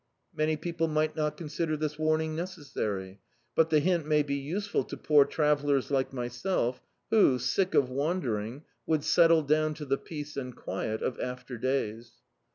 Many people might not consider this warning necessary, but the hint may be useful to poor travellers like myself who, sick of wandering, would settle down to the peace and quiet of after days.